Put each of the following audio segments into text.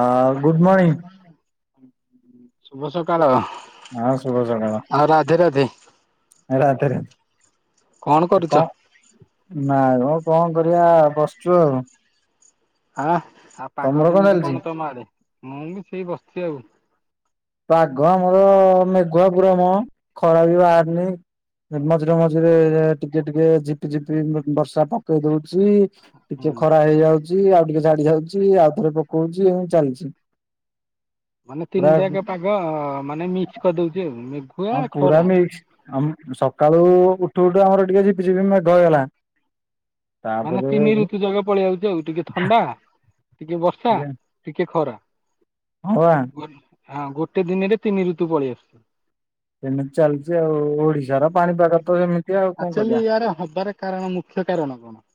ହଁ good morning. ଶୁଭ ସକାଳ। ହଁ ଶୁଭ ସକାଳ ଆଉ ରାଧେ ରାଧେ ରାତିରେ। କଣ କରୁଛ? ନାଇଁ ମୁଁ କଣ କରିବା ବସିଛୁ ଆଉ। ହଁ ଆଉ ପାଗ ତମର କେମିତି ଚାଲିଛି? କଣ ତ ମା ଆଡେ ମୁଁ ବି ସେଇ ବସିଛି ଆଉ। ପାଗ ଆମର ମେଘୁଆ ପୁରାମ ଖରା ବି ବାହାରୁନି। ମଝିରେ ମଝିରେ ଟିକେ ଟିକେ ଝିପି ଝିପି ବର୍ଷା ପକେଇ ଦଉଛିି। ଟିକେ ହୁଁ। ଖରା ହେଇଯାଉଛି ଆଉ ଟିକେ ଛାଡି ଯାଉଛି ଆଉ ଥରେ ପକଉଛି ଏମିତି ଚାଲିଛି। ମାନେ ପୁରା ତିନିଟାକ ପାଗ ମାନେ ମିକ୍ସ କରିଦଉଛି ଆଉ ମେଘୁଆ ହଁ ପୁରା ଖରା। ମିକ୍ସ। ଆମ ସକାଳୁ ଉଠୁ ଉଠୁ ଆମର ଟିକେ ଝିପିଝିପି ମେଘ ହେଇଗଲା। ମାନେ ତାପରେ ତିନି ଋତୁ ଜାଗା ପଳେଇ ଯାଉଛି ଆଉ ଟିକେ ଥଣ୍ଡା ଟିକେ ବର୍ଷା ଟିକେ ଖରା। ହଉ ଆ ହଁ ଗୋଟେ ଦିନରେ ତିନି ଋତୁ ପଳେଇ ଆଶୁଚି। ସେମିତି ଚାଲିଛି ଆଉ ଓଡିଶାର ପାଣିପାଗ ତ ସେମିତି। ଆଉ କଣ ଆକଚାଲି କରିବା। ୟାର ହବାର କାରଣ ମୁଖ୍ୟ କାରଣ କଣ?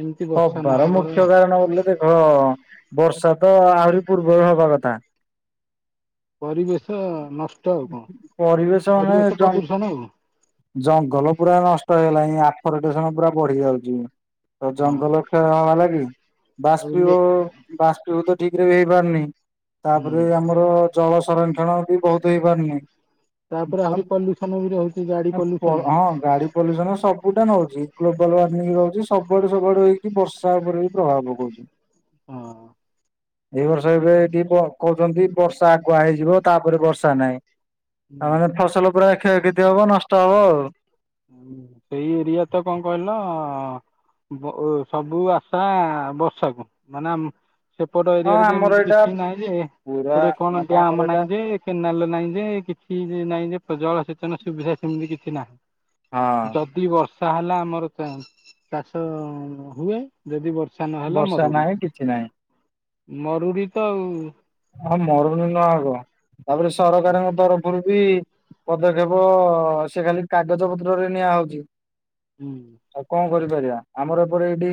ଏମିତି ବର୍ଷା ହବାର ନହବାର ମୁଖ୍ୟ କାରଣ ବୋଲେ ଦେଖ ବର୍ଷା ତ ଆହୁରି ପୂର୍ବରୁ ହବା କଥା। ପରିବେଶ ନଷ୍ଟ। ଆଉ କଣ ପରିବେଶ ମାନେ ଜ। ପ୍ରଦୂଷଣ ଆଉ ଜଙ୍ଗଲ ପୁରା ନଷ୍ଟ ହେଇଲାଣି ଆ ଫରେଷ୍ଟେସନ ପୁରା ବଢି ଯାଉଛି। ତ ହଁ ଜଙ୍ଗଲ କ୍ଷୟ ହବା ଲାଗି ଆଉ ବାଷ୍ପୀ ଲୋକ ବାଷ୍ପୀଭୁତ ଠିକ ରେ ବି ହେଇପାରୁନି। ହୁଁ ତାପରେ ଆମର ଜଳ ସଂରକ୍ଷଣ ବି ବହୁତ ହେଇପାରୁନି। ତାପରେ ଆହୁରି ପଲ୍ୟୁସନ ବି ରହୁଛି ଗାଡି ପଲ୍ୟୁସନ। ହଁ ଗାଡି ପଲ୍ୟୁସନ ସବୁଟା ନଉଛି ଗ୍ଲୋବାଲ୍ ୱାର୍ମିଙ୍ଗ ରହୁଛି ସବୁ ଆଡୁ ସବୁ ଆଡୁ ହେଇକି ବ। ତା ଉପରେ ବି ପ୍ରଭାବ ପକଉଛି। ହଁ। ଏ ବର୍ଷ ଏବେ ଏଠି କହୁଛନ୍ତି ବର୍ଷା ଆଗୁଆ ହେଇଯିବ ତାପରେ ବର୍ଷା ନାହିଁ। ଆ ହୁଁ। ମାନେ ଫସଲ ପୁରା କ୍ଷୟକ୍ଷତି ହବ ନଷ୍ଟ ହବ ଆଉ। ସେଇ ଏରିଆ ତ କଣ କହିଲ ବ ଉ ସବୁ ଆସା ବର୍ଷାକୁ ମାନେ ଆମ ସେପଟ ହଁ ଏରିଆରେ ଯେ ଆମର ଏମିତି ଏଇଟା କିଛି ନାଇଁ ଯେ ପୁରା ଗୋଟେ କଣ ମାନେ ଆମର ଡ୍ୟାମ ଏଇଟା ନାଇଁ ଯେ କେନାଲ ନାହିଁ ଯେ କିଛି ନାହିଁ ଯେ ଜଳସେଚନ ସୁବିଧା ସେମିତି କିଛି ନାହିଁ। ହଁ ଯଦି ବର୍ଷା ହେଲା ଆମର ଚାଷ ହୁଏ। ଯଦି ବର୍ଷା ନହେଲା ବର୍ଷା ମରୁଡ଼ି ନାହିଁ କିଛି ନାହିଁ ମରୁଡି ତ ଆଉ। ହଁ ମରଡି ନା ଆଉ କଣ ତାପରେ ସରକାରଙ୍କ ତରଫରୁ ବି ପଦକ୍ଷେପ ସେ ଖାଲି କାଗଜ ପତ୍ରରେ ନିଆହଉଚି। ହୁଁ। ଆଉ କଣ କରିପାରିବା ଆମର ଏପଟେ ଏଇଠି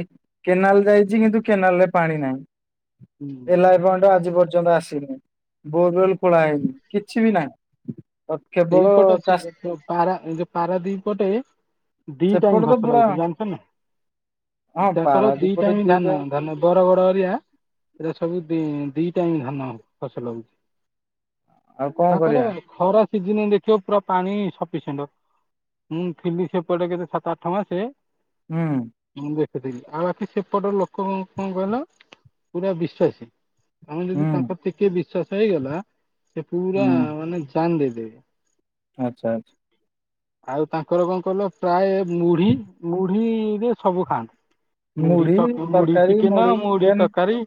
କେନାଲ ଯାଇଚି କିନ୍ତୁ କେନାଲ ରେ ପାଣି ନାହିଁ। ହୁଁ ଏ ଲାଏ ବନ୍ଦ୍ ଆଜି ପର୍ଯ୍ୟନ୍ତ ଆସିନି। ବୋରୱଲ ପଳା ଆଇଚି କିଛି ବି ନାଇଁ। ଏଇ ପଟ ସେ ପା ପାରା ଯ ପାରା ଦିପଟେ ଦି ଟାଇମ ସେପଟେ ତ ଫସଲ ପୁରା ହଉଛି ଜାଣିଛ ନା ହଁ ତାଙ୍କର ଦି ପାରାଦୀପରେ ଟାଇମ ଦିଟା ଧାନ ଧାନ ରୁ ବର ଗଡ ହରିଆ ଏରା ସବୁ ଦି ଦି ଟାଇମ ଧାନ ଫସଲ ହଉଚି। ହଁ। ତାଙ୍କରେ ଖରା ସିଜିନ ଦେଖିବ ପୁରା ପାଣି ସପିସେଣ୍ଟ ଅ ମୁଁ ଥିଲି ସେପଟେ କେତେ ସାତ ଆଠ ମାସ ହୁଁ। ମୁଁ ଦେଖୁଥିଲି ଆଉ ବାକି ସେପଟ ଲୋକ କଣ କହିଲ ପୁରା ବିଶ୍ଵସୀ। ଆମେ ଯଦି ହୁଁ ତାଙ୍କର ଟିକଏ ବିଶ୍ସାସ ହେଇଗଲା ସେ ପୁରା ହୁଁ ମାନେ ଜାନ ଦେଇଦେବେ। ଆଚ୍ଛା ଆଛା। ଆଉ ତାଙ୍କର କଣ କଇଲ ପ୍ରାୟ ମୁଢି ମୁଢିରେ ସବୁ ଖାଆନ୍ତି। ମୁଢି ସ ମୁଢି ଚିକେନ ମୁଢି ତରକାରୀ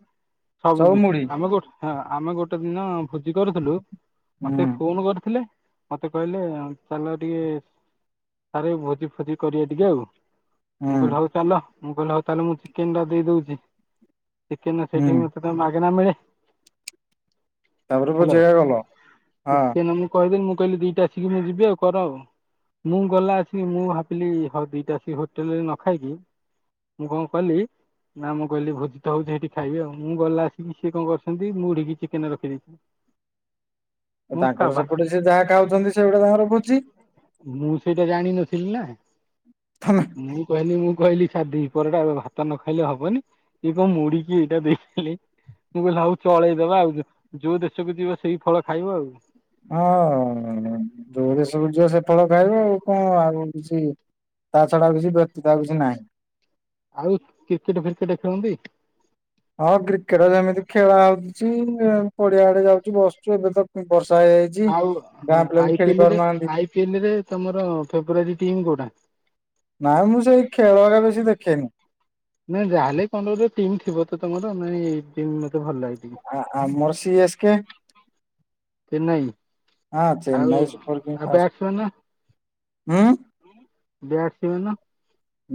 ସବୁ କିଛି ଆମେ ଗୋ ହଁ ଆମେ ଗୋଟେ ଦିନ ଭୋଜି କରିଥିଲୁ ହୁଁ ମତେ ଫୋନ କରି ଥିଲେ ମତେ କହିଲେ ଚାଲ ଟିକେ ସାରେ ଏ ଭୋଜି ଫୋଜି କରିବା ଟିକେ ଆଉ। ମୁଁ ହୁଁ କହିଲି ହଉ ଚାଲ ମୁଁ କହିଲି ହଉ ତାଲେ ମୁଁ ଚିକେନ ଟା ଦେଇ ଦଉଛି ଚିକେନ ହୁଁ ସେଠି ମି ମାଗେଣା ମିଳେ ତାପରେ ହ୍ୟାଲୋ ବୁଝେଇଆ ଗଲ ହଁ ଚିକେନ ମୁଁ କହିଦେ ମୁଁ କହିଲି ଡି ଟା ଆସିକି ମୁଁ ଯିବି ଆଉ କର ଆଉ। ମୁଁ ଗଲା ଆସିକି ମୁଁ ଭାବିଲି ହଉ ଦିଟା ଆସି ହୋଟେଲରେ ନ ଖାଇକି ମୁଁ କଣ କଲି ନା ମୁଁ କହିଲି ଭୋଜି ତ ହଉଛି ସେଇଠି ଖାଇବି ଆଉ ମୁଁ ଗଲା ଆସିକି ସିଏ କଣ କରିଚନ୍ତି ମୁଢିକି ଚିକେନ ରଖିଦେଇଚନ୍ତି। ତାଙ୍କର ସେପଟେ ସେ ଯାହା ଖାଉଛନ୍ତି ସେଗୁଟା ତାଙ୍କର ଭୋଜି। ମୁଁ ସେଇଟା ଜାଣିନଥିଲି ନା। ତମ ମୁଁ କହିଲି ମୁଁ କହିଲି ଖା ଦିପହରଟା ଭାତ ନ ଖାଇଲେ ହବନି। ଏ କ ମୁଡ଼ି କି ଏଇଟା ଦେଇଦେଲେ। ମୁଁ କହିଲି ଆଉ ଚଳେଇଦବା ଆଉ ଯୋଉ ଦେଶକୁ ଯିବ ସେଇ ଫଳ ଖାଇବ ଆଉ। ହଁ ଯୋଉ ଦେଶ୍ ଶ ଯିବ ସେ ଫଳ ଖାଇବ ଆଉ କଣ ଆଉ କିଛି ତା ଛଡା କିଛି ବ୍ୟତୀତ ଆଉ କିଛି ନାହିଁ। ଆଉ କ୍ରିକେଟ ଫ୍ରିକେଟ ଖେଳନ୍ତି। ହଁ କ୍ରିକେଟ ଯେମିତି ଖେଳ ହଉଛି ପଡିଆଡେ ଯାଉଛି ବସୁଚୁ ଏବେ ତ ବର୍ଷା ହେଇଯାଇଚି। ଆଉ ହଁ ଆଇ ପି ଏଲ ରେ ତମର ଫେବରରି ଟିମ୍ କୋଉଟା। ନାଇଁ ମୁଁ ସେଇ ଖେଳ ହେଗା ବେଶୀ ଦେଖେନି। ନାଇଁ ଯାହାେଲେ କଣ ଗୋଟେ ଟିମ୍ ଥିବ ତ ତମର ନା ଏଇ ଟିମ୍ ମତେ ଭଲ ଲାଗେ ଟିକେ। ଆ ଆ ମୋର ସି ଏସ୍ କେ। ଚେନ୍ନାଇ ହଁ ଆଉ ଚେନ୍ନାଇ ସୁପର କିଙ୍ଗ ଆଉ ଫାସ୍ ବ୍ୟାଟ୍ସମ୍ୟାନ ହୁଁ। ବ୍ୟାଟ [unintelligible]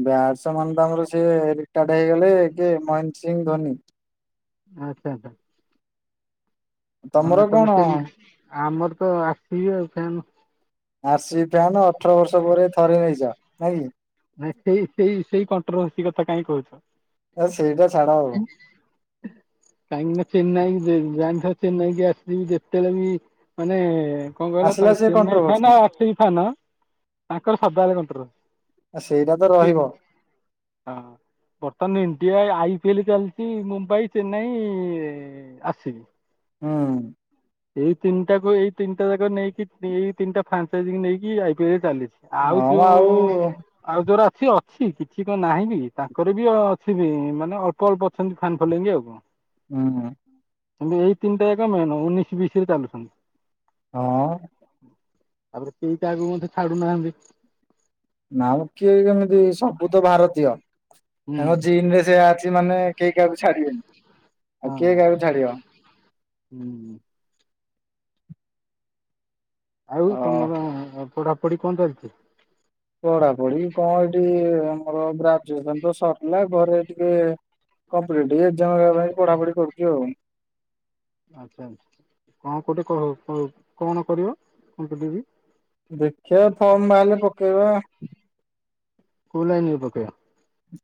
ବ୍ୟାଟସମାନ ତ ଆମର ସିଏ ରିଟାଡ ହେଇଗଲେ ମହେନ୍ଦ ସିଂ ଧୋନି। ଆଛା ଆଛା। ତାମାନେ ତମର କଣ [unintelligible] ଆମର ତ ଆର୍ ସି ବି ଆଉ ଫ୍ୟାନ୍। ଆର୍ସି ବି ଫ୍ୟାନ ଅଠର ବର୍ଷ ପରେ ଥରେ ନେଇଛ ନାଇଁ କି। ଭାଇ ସେଇ ସେଇ ସେଇ କଣ୍ଟ୍ରୋଭର୍ସି କଥା କାଇଁ କହୁଛ। ଏ ସେଇଟା ଛାଡ ଆଉ। କାହିଁକି ନା ଚେନ୍ନାଇ ଜାଣିଥିବ ଚେନ୍ନାଇକି ଆର୍ ସି ବି ଯେତେବେଳେ ବି ମାନେ କଣ କହିଲ ଆସିଲା ତାଙ୍କ ସେ ଚେନାଇ କଣ୍ଟ୍ରୋଭର୍ସି ଫ୍ୟାନ ଆଉ ଆର୍ ସି ବି ଫ୍ୟାନ ତାଙ୍କର ସଦାବେଳେ କଣ୍ଟରଭୂଷି। ଆ ସେଇଟା ତ ରହିବ। ହଁ ବର୍ତ୍ତମାନ ଇଣ୍ଡିଆ ଆଇ ପିଏଲ ଚାଲିଛି Mumbai Chennai R C B. ହୁଁ। ଏଇ ତିନିଟାକୁ ଏଇ ତିନିଟା ଯାକ ନେଇକି ଏଇ ତିନିଟା ଫ୍ରାଞ୍ଚାଇଜ ନେଇକି ଆଇ ପିଏଲରେ ଚାଲିଛି। ଆଉ ହଁ ମ ଯୋଉ ଆଉ ଯୋରା ଅଛି ଅଛି କିଛି କଣ ନାହିଁ ବି ତାଙ୍କର ବି ଅଛି ବି ମାନେ ଅଳ୍ପ ଅଳ୍ପ ଅଛନ୍ତି ଫ୍ୟାନ୍ ଫଲୋଇଂ ଆଉ। କଣ। ଉଁ ହୁଁ। କିନ୍ତୁ ଏଇ ତିନିଟା ଯାକ ମେନ ଉଣେଇଶି ବିଶ ରେ ଚାଲୁଛନ୍ତି। ତାପରେ କେଇ କାହାକୁ ମଧ୍ୟେ ଛାଡୁନାହାନ୍ତି। ନାଉ କିଏ କେମିତି ସବୁ ତ ଭାରତୀୟ ହୁଁ। ତାଙ୍କ ଜିନ ରେ ସେୟା ଅଛି ମାନେ କେହି କାହାକୁ ଛାଡିବେନି ଆଉ କିଏ କାହାକୁ ଛାଡିବ। ହୁଁ ହୁଁ। ଆଉ ଅ ତମର ପଢାପଢ଼ି କଣ ଚାଲିଛି? ପଢା ପଢିି କଣ ଏଠି ଆମର ଗ୍ରାଜୁଏସନ୍ ତ ସରିଲା ଘରେ ଟିକେ କମ୍ପିଟେଟିଭି ଏକ୍ଜାମ ପାଇଁ ପଢାପଢି କରୁଛି ଆଉ। ଆଚ୍ଛା ଆଚ୍ଛା କଣ କେଉଁଟି କଣ କରିବ କମ୍ପି ଟିଭି? ଦେଖିଆ ଫମ ବାହାରିଲେ ପକେଇବା। କୋଉ ଲାଇନ ରେ ପକେଇବ।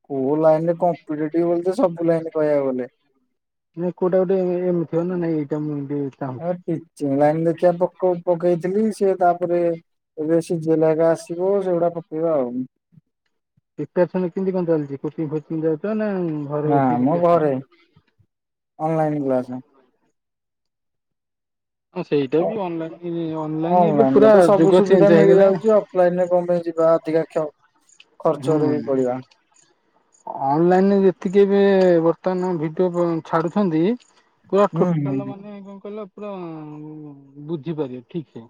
କୋଉ ଲାଇନରେ କମ୍ପିଟେଟିବ ବଲି ତ ସବୁ ଲାଇନ କହିବାକୁ ଗଲେ। ନାଇଁ କୋଉଟା ଗୋଟେ ଧ୍ୟାନ ନାଇଁ ଏଇଟା ମୁଁ ଏମତି ଚାହୁଁଚି। ଟିଚର ଲାଇନ୍ ଦେଖିଆ ପକ ପକେଇଥିଲି ସେ ତାପରେ ଏବେ ସିଝେ ଲା ଆସିବ ସେଗୁଡା ପକେଇବା ଆଉ ପ୍ରିପର୍ସନ କେମିତି କଣ ଚାଲିଛି କୋଚି ଫୋଚିଂ ଯାଉଛ ନା ଘରେ ନା ମ ବସିକି ଘରେ ଅନଲାଇନ କ୍ଲାସ। ପ୍ରେପାରେସଅନ। ହଁ ସେଇଟା ବି ଅନଲାଇନ୍ ଅନଲାଇନ ଏବେ ଅନଲାଇନରେ ପୁରା ତ ସବୁ ଯୁଗ ସୁବିଧା ଚେଞ୍ଜ ହେଇଗଲା। ମିଳିଯାଉଛି ଅଫଲାଇନ ରେ କମ ପାଇଁ ଯିବା ଅଧିକା କ୍ଷ ହଁ ଖର୍ଚ୍ଚରେ ବି ହଁ। ପଡିବା ଅନଲାଇନରେ ଯେତିକି ବି ଏ ବର୍ତ୍ତମାନ ଭିଡିଓ ଛାଡୁଛନ୍ତି ପୁରା ହୁଁ ଟୋଟାଲ ହୁଁ ମାନେ କଣ କହିଲ ପୁରା ବୁଝିପାରିବ ଠିକ ସେ।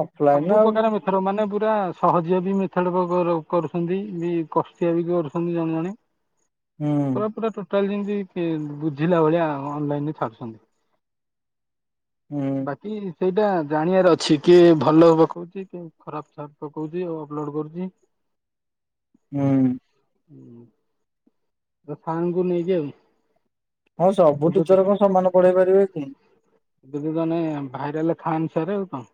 ଅଫଲାଇନ ସବୁ ଆଉ ପ୍ରକାର ମେଥଡ ମାନେ ପୁରା ସହଜ ବି ମେଥଡ ର କରୁଛନ୍ତି ବି କଷ୍ଟିଆ ବି କରୁଛନ୍ତି ଜଣେ ଜଣେ ହୁଁ। ପୁରା ପୁରା ଟୋଟାଲ ଯେମିତି ବୁଝିଲା ଭଳିଆ ଅନଲାଇନ୍ ରେ ଛାଡୁଛନ୍ତି। ହୁଁ। କି ସେଇଟା ଜାଣିବାର ଅଛି କିଏ ଭଲ ହବ କଉଛି କି ଖରାପ ଚାଟ ପକଉଛି ଆଉ ଅପଲୋଡ଼୍ କରୁଛି। ହୁଁ। ତା ଫ୍ୟାନଙ୍କୁ ନେଇକି ଆଉ। ହଁ ସବୁ ଏବେ ତ ଟିଚର କଣ ସମାନ ପଢେଇ ପାରିବେ କି? ଯଦି ଜଣେ ଭାଇରଲ ଖାନ୍ ସାର୍ ଆଉ କଁ।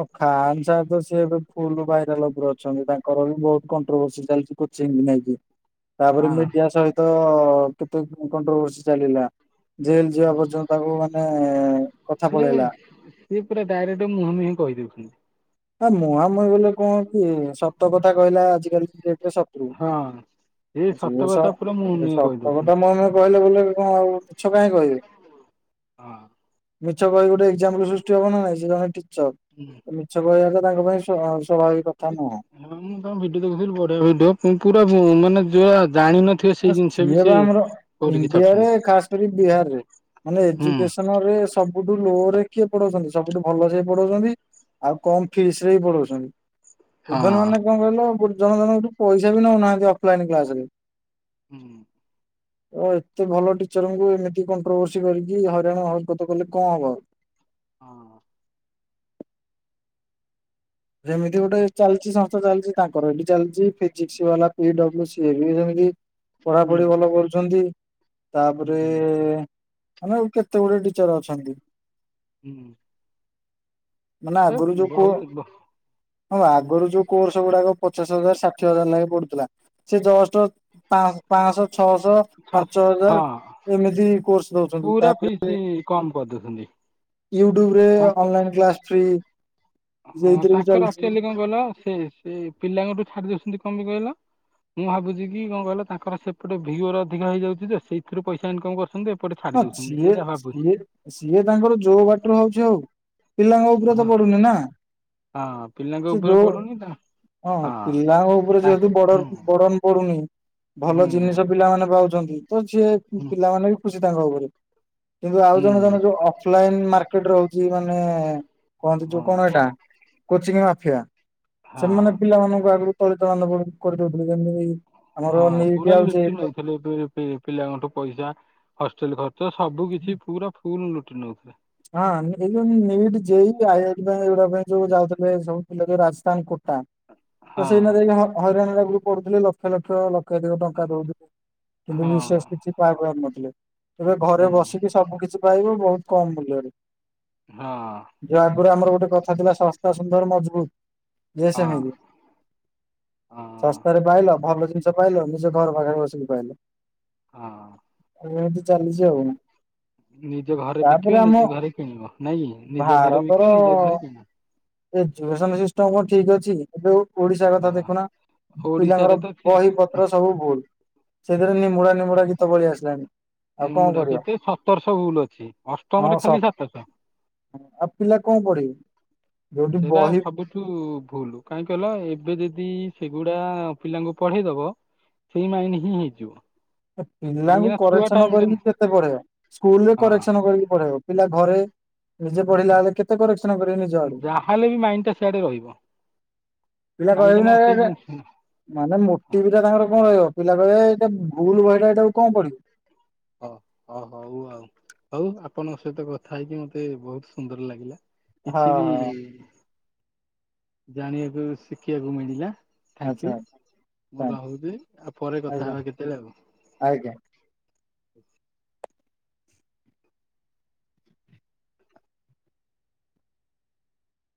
ଓ ଖାନ ସାର୍ ତ ସିଏ ଏବେ ଫୁଲ ବାଇରାଲ ଉପରୁ ଅଛନ୍ତି ତାଙ୍କର ବି ବହୁତ କଣ୍ଟ୍ରୋଭସି ଚାଲିଛି। କୋଚି ନେଇକି ତାପରେ ଖାନ ମିଡିଆ ସହିତ କେତେ କଣ୍ଟ୍ରଭସି ଚାଲିଲା। ଜେଲ ଯିବା ପର୍ଯ୍ୟନ୍ତ ତାକୁ ମାନେ କଥା ସେ ପଳେଇଲା। ସିଏ ପୁରା ଡାଇରେକ୍ଟ ମୁହଁ ମୁହିଁ କହିଦେଉଛନ୍ତି। ଆ ମୁହାଁମୁହିଁ ବୋଲେ କନ କି ସତ କଥା କହିଲା ଆଜିକାଲି ଡେଟରେ ସ ହଁ। ଏ ସତ [unintelligible] ସ କଥା ପୁରା ମୁହଁ ମୁହିଁ ସତ କହିଦଉଛନ୍ତି। କଥା ମେ କହିଲେ ବୋ ଣ ଆଉ ମିଛ କାହିଁ କହିବି। ହଁ। ମିଛ କହିହି ଗୋଟେ ଏକ୍ଜାମ୍ପୁଲ ସୃଷ୍ଟି ହବ ନା ନାଇଁ ସେ ଜଣେ ଟିଚର। ହୁଁ [unintelligible] ଛ କହିବା ତ ତାଙ୍କ ପାଇଁ ସ୍ୱ ସ୍ୱଭାବିକ କଥା ନୁହଁ। ମୁଁ କଣ ଭିଡିଓ ଦେଖୁଥିଲି ବଢିଆ ଭିଡିଓ ପୁରା ମାନେ ଯୋଉ ଜାଣିିନ ଆ ସିଏ ବା ଆମର ଇଣ୍ଡିଆରେ ଛାଡୁଛନ୍ତି ଖାସ କରି ବିହାରରେ ମାନେ ହୁଁ ଏଜୁକେସନରେ। ସବୁଠୁ ଲୋ ରେ କିଏ ପଢାଉଛନ୍ତି ସବୁଠୁ ଭଲ ସେ ପଢଉଛନ୍ତି। ଆଉ କମ ଫିସ ରେ ବି ପଢଉଛନ୍ତି। ନହେଲ ହଁ ନାହିଁ କହିଲ ଗୋ ଜଣ ଜଣଙ୍କଠୁ ପଇସା ବି ନଉନାହାନ୍ତି ଅଫଲାଇନ କ୍ଲାସ ରେ। ହୁଁ। ଓ ଏତେ ଭଲ ଟିଚରଙ୍କୁ ଏମିତି କଣ୍ଟ୍ରୋଭର୍ସି କରିକି ହରିରାଣ ହରକତ କଲେ କଣ ହବ। ହଁ। ଯେମିତି ଗୋଟେ ଚାଲିଛି ସଂସ୍ଥା ଚାଲିଛି ତାଙ୍କର ଏଠି ଚାଲିଛି ଫିଜିକ୍ସ ବାଲା ପିଡବ୍ଲୁ ସିଏ ବି ସେମିତି ହୁଁ। ପଢାପଢି ଭଲ କରୁଛନ୍ତି ତାପରେ ହୁଁ ମାନେ ଆଉ କେତେ ଗୁଡେ ଟିଚର ଅଛନ୍ତି। ହୁଁ। ମାନେ ଏ ଆଗୁରୁ ଯୋଉ କୋଅ ବହୁତ ବ ହଁ ଆଗରୁ ଯୋଉ କୋର୍ସ ଗୁଡାକ ପଚାଶ ହଜାର ଷାଠିଏ ହଜାର ଲେଖା ପଡୁଥିଲା। ସେ ଯଷ୍ଟ୍ ପା ପାଁଶହ ଛଅଶହ ପାଞ୍ଚ ହଜାର ହଁ ଏମିତି କୋର୍ସ ଦଉଛନ୍ତି ପୁରା ତାପରେ ଫିସ୍ ବି କମ କରିଦଉଛନ୍ତି। ୟୁଟ୍ୟୁବ ରେ ତାଙ୍କ ଅନଲାଇନ୍ କ୍ଲାସ ଫ୍ରି। ହଁ ସେଇଥିରେ ବି ତାଙ୍କର ଚାଲିଛି ଅକ୍ଚୁଆଲି କଣ କହିଲ ସେ ସେ ପିଲାଙ୍କଠୁ ଛାଡି ଦଉଛନ୍ତି କଣ ପାଇ କହିଲ। ମୁଁ ଭାବୁଛି କି କଣ କହିଲ ତାଙ୍କର ସେପଟେ ଭିଓର ଅଧିକା ହେଇଯାଉଛି ଯେ ସେଇଥିରୁ ପଇସା ଇନକମ କରୁଛନ୍ତି। ଏପଟେ ଛାଡି ହଁ ଦଉଛନ୍ତି ମୁଁ ସିଏ ଯାହା ଭାବୁଛି ସିଏ ସିଏ ତାଙ୍କର ଯୋଉ ବାଟରୁ ହଉଛି ହଉ। ପିଲାଙ୍କ ଉପରେ ହଁ ତ ପଡୁନି ନା। ହଁ ପିଲାଙ୍କ ସେ ଉପରେ ଯୋଉ ପଡୁନି ତ ହଁ ପିଲାଙ୍କ ଉପରେ ଯେହେତୁ ତାଙ୍କ ବଡ ହୁଁ ବୋର୍ଡନ୍ ପଡୁନି। ଭଲ ହୁଁ ଜିନିଷ ପିଲାମାନେ ପାଉଛନ୍ତି ତ ସିଏ ହୁଁ ପିଲାମାନେ ବି ଖୁସି ତାଙ୍କ ଉପରେ। କିନ୍ତୁ ଆଉ ଜଣେ ହୁଁ ଜଣେ ଯୋଉ ଅଫଲାଇନ ମାର୍କେଟ ରହୁଛି ମାନେ କହନ୍ତି ଯୋଉ ହଁ କଣ ଏଇଟା କୋଚିଂ ମାଫିଆ ସେମାନେ ହଁ ପିଲାମାନଙ୍କୁ ଆଗୁରୁ ତଳିତଳାନ୍ତ କ କରିଦଉଥିଲେ ଯେମତି ହଁ ପୁରା ଲୁଟି ନେଇଥିଲେ ଏବେ ପି ପିଲାଙ୍କଠୁ ପଇସା ହଷ୍ଟେଲ ଖର୍ଚ ସବୁ କିଛି ପୁରା ଫୁଲ ଲୁଟି ନଉଥିଲେ। ହଁ ଏଇ ନିଟ୍ ଯେଇ ଆଇ ଆଇଟି ପାଇ ଏଗୁଡା ପାଇ ଯୋଉ ଯାଉଥିଲେ ସବୁ ପିଲା ଯୋଉ ରାଜସ୍ଥାନ କୋଟା। ତ ହଁ ସେଇନା ଯାଇକି ହ ହଇରାଣ ହେବାକୁ ପଢୁଥିଲେ ଲକ୍ଷ ଲକ୍ଷ ଲ କେତେକ ଟଙ୍କା ଦଉଥିଲେ କିନ୍ତୁ ହଁ ବିଶେଷ କିଛି ପାଇପାରୁ ନଥିଲେ। ଏବେ ଘରେ ହୁଁ ବସିକି ସବୁ କିଛି ପାଇବ ବହୁତ କମ ମୂଲ୍ୟରେ। ହଁ। ଯୋ ଆଗରୁ ଆମର ଗୋଟେ କଥା ଥିଲା ଶସ୍ତା ସୁନ୍ଦର ମଜବୁତ। ଇଏ ହଁ ସେମିତି ହଁ ସ ତାରେ ପାଇଲ ଭଲ ଜିନିଷ ପାଇଲ ନିଜ ଘର ଘରେ ବସିକି ପାଇଲ। ହଁ। ଏମିତି ଚାଲିଛି ଆଉ। ନିଜ ଘରେ ତାପରେ ବିକିବ ଆମ ନିଜ ଘରେ କିଣିବ ନାଇଁ କି ନିଜ ଘରେ ବିକା ନିଜ ଘରେ କିଣା। ଏଜୁକସନ ସିଷ୍ଟମ କଣ ଠିକ୍ ଅଛି? ଏବେ ଉ ଓଡିଶା କଥା ହଁ ଦେଖୁନ ଓଡିଶାରେ ପିଲାଙ୍କର ତ ସେ ବହି ପ ଏଡା ସବୁ ଭୁଲ୍ ସେଥିରେ ନିମୁଡ଼ା ନିମୁଡା ଗୀତ ପଳି ଆସିଲାଣି। ଆଉ କଣ ନିମୁଡା କରିବ କେତେ ସତରଶହ ଭୁଲ୍ ଅଛି। ହଁ ଅଷ୍ଟମରେ ସ ଖାଲି ସାତଶହ ଆଉ ପିଲା କଣ ପଢିବେ ଯୋଉଠି ସେଇଟା ବହି ସବୁ ଠୁ ଭୁଲ୍ କାହିଁକି କହିଲ ଏବେ ଯଦି ସେଗୁଡା ପିଲାଙ୍କୁ ପଢେଇଦବ ସେଇ ମାଇଣ୍ଡି ହିଁ ହେଇଯିବ। କାହିଁକି ପିଲାଙ୍କୁ ନା ଛୁଆ କରେକ୍ସନ ଟାଇମ ଟା କରିକି ନା କେତେ ପଢେଇବା ସ୍କୁଲ ରେ ହଁ କରେକ୍ସନ କରିକି ପଢେଇବ ପିଲା ଘରେ ନିଜେ ପଢିଲା ବେଳେ କେତ ଯାହାହେଲେ ବି ମାଇଣ୍ଡିଟା ସେଆଡ ରହିବ। ପିଲା କାହିଁକି କହିବେ ନା ସେଇ ଯଉସୁ ମାନେ ମୋଟିଭି ଟା ତାଙ୍କର କଣ ରହିବ ପିଲା କହିବେ ଏଟା ଭୁଲ୍ ବହିଟା ଏଇଟାକୁ କଣ ପଢ଼ିବୁ। ଅ ଅ ହଉ ଆଉ। ଆଉ ଆପଣଙ୍କ ସହିତ କଥା ହେଇକି ମତେ ବହୁତ୍ ସୁନ୍ଦର ଲାଗିଲା ହଁ କିଛି ବି ହଁ ଜାଣିବାକୁ ଶିକିବାକୁ ମିଳିଲା। ଥାଙ୍କ ଆଚ୍ଛା ୟୁ ମୁଁ ରହୁଛି ଆଉ ପରେ କଥା ଆଜ୍ଞା ହେବା କେତେବେଳେ ଆଉ। ଆଜ୍ଞା।